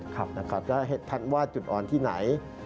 ถ้าทันว่าจุดอ่อนที่ไหน